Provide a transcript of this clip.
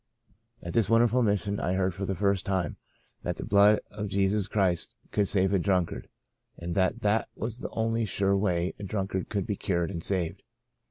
At this wonderful Mission I heard, for the first time, that the blood of Jesus Christ could save a drunkard, and that that was the only sure way a drunkard could be cured and saved.